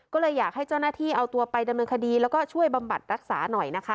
ก็เลยอยากให้เจ้าหน้าที่เอาตัวไปดำเนินคดีแล้วก็ช่วยบำบัดรักษาหน่อยนะคะ